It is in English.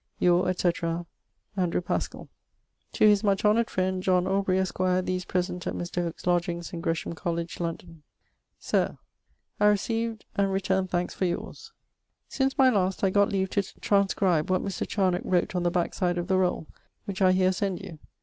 your etc. And. Paschall. To his much honoured friend John Aubrey, esqre., these present, at Mr. Hooke's lodgeings in Gresham College, London. Sir, I received and returne thankes for yours. Since my last I got leave to transcribe what Mr. Charnocke wrote on the backside of the rolle, which I heer send you.